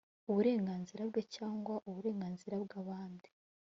uburenganzira bwe cyangwa uburenganzira bw’abandi